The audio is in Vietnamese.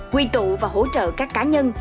quy tụ và hỗ trợ các cá nhân